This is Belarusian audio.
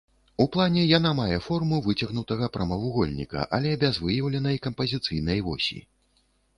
У плане яна мае форму выцягнутага прамавугольніка, але без выяўленай кампазіцыйнай восі.